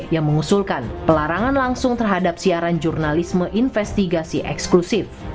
yang mengusulkan pelarangan langsung terhadap siaran jurnalisme investigasi eksklusif